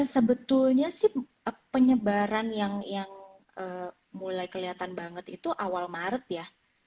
sebetulnya sih penyebaran yang mulai kelihatan banget itu awal maret ya